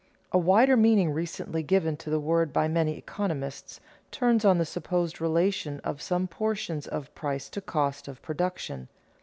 A wider meaning recently given to the word by many economists turns on the supposed relation of some portions of price to cost of production.